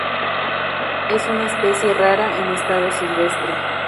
Es una especie rara en estado silvestre.